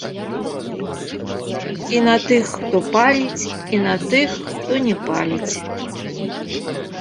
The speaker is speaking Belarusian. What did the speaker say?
І на тых, хто паліць, і на тых, хто не паліць.